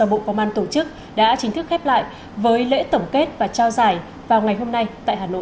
bộ công an tổ chức đã chính thức khép lại với lễ tổng kết và trao giải vào ngày hôm nay tại hà nội